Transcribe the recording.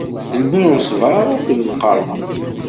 D lmirruṣber akked lqerfa.